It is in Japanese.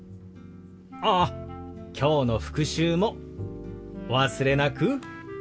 ああきょうの復習もお忘れなく。